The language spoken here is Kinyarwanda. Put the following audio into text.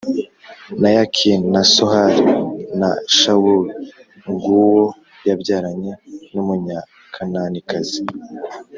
na Yakini na Sohari na Shawuli g uwo yabyaranye n Umunyakananikazi